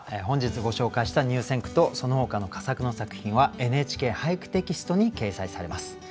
本日ご紹介した入選句とそのほかの佳作の作品は「ＮＨＫ俳句」テキストに掲載されます。